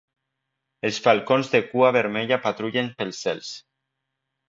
Els falcons de cua vermella patrullen pels cels.